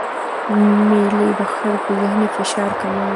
مېلې د خلکو ذهني فشار کموي.